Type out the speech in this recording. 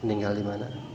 meninggal di mana